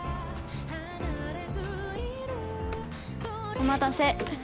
お待たせ。